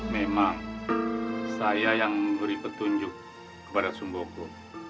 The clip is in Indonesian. memang saya yang memberi petunjuk kepada sumboko